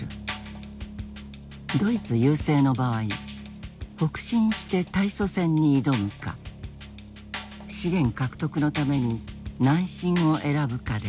ドイツ優勢の場合北進して対ソ戦に挑むか資源獲得のために南進を選ぶかである。